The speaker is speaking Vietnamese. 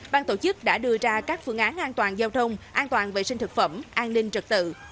ban tổ chức đã đưa ra các phương án an toàn giao thông an toàn vệ sinh thực phẩm an ninh trật tự